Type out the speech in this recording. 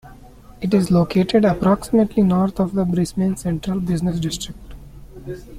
It is located approximately north of the Brisbane central business district.